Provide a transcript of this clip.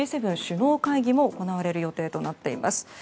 Ｇ７首脳会議も行われる予定となっています。